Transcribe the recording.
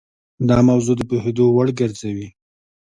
دا موضوع د پوهېدو وړ ګرځوي.